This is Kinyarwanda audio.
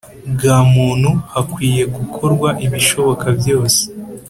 bwa muntu, hakwiriye gukorwa ibishoboka byose